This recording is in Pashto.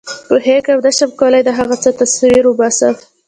پوهېږم نه شم کولای د هغه څه تصویر وباسم.